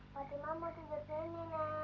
fatima mau tidur sini nak